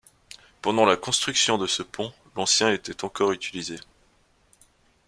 Pendant la construction de ce pont, l’ancien était encore utilisé.